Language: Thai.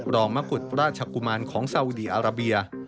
รองมะกุฎราชกุมารของสาวุดีอาราเบีย